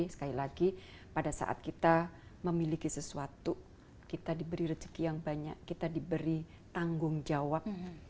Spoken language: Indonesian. sekali lagi pada saat kita memiliki sesuatu kita diberi rezeki yang banyak kita diberi tanggung jawab